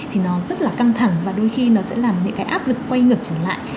thì nó rất là căng thẳng và đôi khi nó sẽ làm những cái áp lực quay ngược trở lại